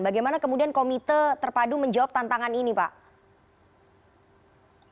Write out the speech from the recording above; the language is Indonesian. bagaimana kemudian komite terpadu menjawab tantangan ini pak